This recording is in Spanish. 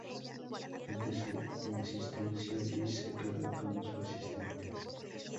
Ante su insistencia, Liz se queda como su asistente.